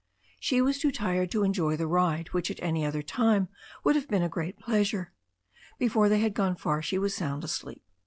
She was too tired to enjoy the ride, which at any other time would have been a great adventure. Before they had gone far she was sound asleep.